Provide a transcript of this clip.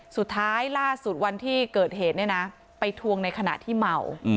ล่าสุดวันที่เกิดเหตุเนี่ยนะไปทวงในขณะที่เมา